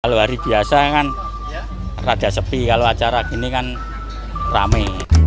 kalau hari biasa kan rada sepi kalau acara gini kan rame